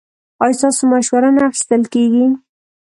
ایا ستاسو مشوره نه اخیستل کیږي؟